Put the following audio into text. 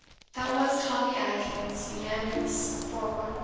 That was Tommy Atkins unanimous for once.